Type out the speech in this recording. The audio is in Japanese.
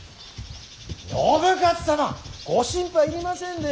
信雄様ご心配いりませんでよ。